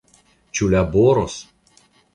Ĉu laboros?